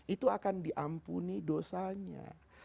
itu akan diampuni dosanya